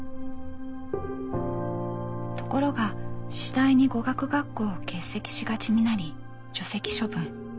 ところが次第に語学学校を欠席しがちになり除籍処分。